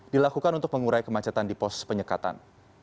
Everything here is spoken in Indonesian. dilakukan untuk mengurai kemacetan di pos penyekatan